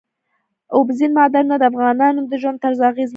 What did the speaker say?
اوبزین معدنونه د افغانانو د ژوند طرز اغېزمنوي.